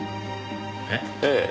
えっ？ええ。